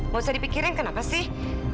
mau saya dipikirin kenapa sih